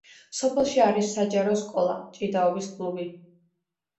სოფელში არის საჯარო სკოლა, ჭიდაობის კლუბი.